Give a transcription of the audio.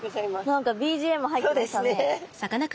何かＢＧＭ入ってましたね。